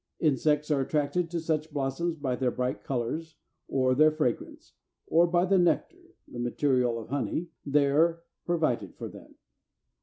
Insects are attracted to such blossoms by their bright colors, or their fragrance, or by the nectar (the material of honey) there provided for them.